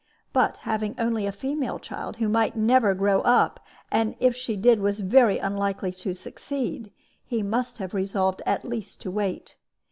But having only a female child, who might never grow up, and, if she did, was very unlikely to succeed, he must have resolved at least to wait.